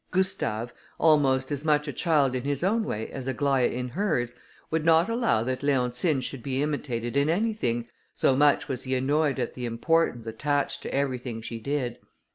Gustave, almost as much a child, in his own way, as Aglaïa in hers, would not allow that Leontine should be imitated in anything, so much was he annoyed at the importance attached to everything she did.